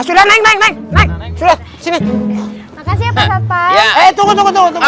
sudah naik naik naik sini makasih ya pasal pak eh tunggu tunggu tunggu